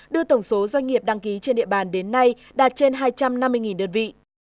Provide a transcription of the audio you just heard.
đưa tổng số doanh nghiệp đăng ký trên địa bàn đến nay đạt trên hai trăm năm mươi đơn vị